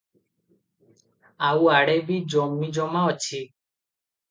ଆଉ ଆଡ଼େ ବି ଜମିଜମା ଅଛି ।